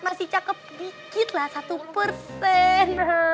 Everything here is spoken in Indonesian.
masih cakep dikit lah satu persen